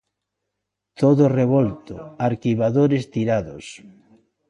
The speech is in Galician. Todo revolto, arquivadores tirados...